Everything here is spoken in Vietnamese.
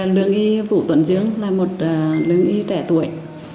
lương y vũ tuấn dương là một lương y trẻ tuổi